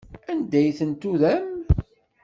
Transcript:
Anda ay ten-turam?